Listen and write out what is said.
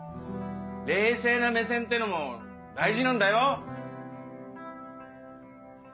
冷静な目線ってのも大事なんだよ。